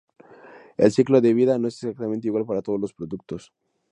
El ciclo de vida no es exactamente igual para todos los productos.